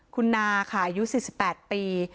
คุณนาค่ะอายุสิบสิบแปดปี